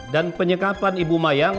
dan penyekapan ibu mayang